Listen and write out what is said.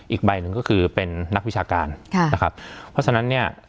อีกใบหนึ่งก็คือเป็นนักวิชาการค่ะนะครับเพราะฉะนั้นเนี่ย